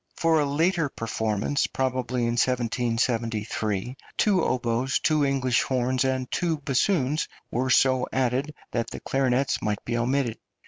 For a later performance, probably in 1773, two oboes, two English horns, and two bassoons were so added that the clarinets might be omitted.